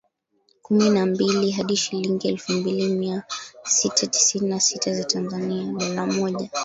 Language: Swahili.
Kumi na mbili) hadi shilingi elfu mbili mia sita tisini na sita za Tanzania (Dola moja.